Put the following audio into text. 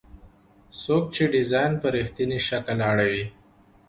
څوک چې ډیزاین په رښتیني شکل اړوي.